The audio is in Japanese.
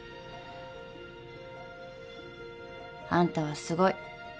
あんたはすごい。